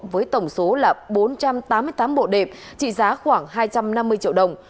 với tổng số bốn trăm tám mươi tám bộ đệm trị giá khoảng hai trăm năm mươi triệu đồng